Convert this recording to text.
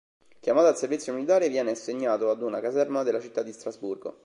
Chiamato al servizio militare viene assegnato ad una caserma della città di Strasburgo.